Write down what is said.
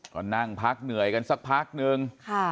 ก็นั่งพักเหนื่อยกันสักพักนึง